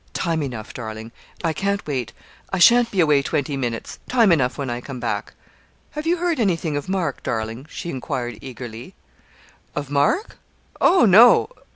'Time enough, darling; I can't wait I sha'n't be away twenty minutes time enough when I come back.' 'Have you heard anything of Mark, darling?' she enquired eagerly. 'Of Mark? Oh, no!